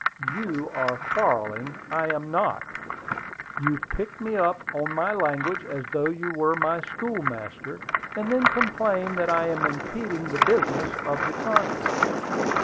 "You are quarrelling; I am not. You pick me up on my language as though you were my schoolmaster, and then complain that I am impeding the business of the conference."